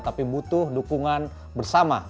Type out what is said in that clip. tapi butuh dukungan bersama